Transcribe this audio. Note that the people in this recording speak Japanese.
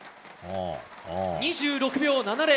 ２６秒７０。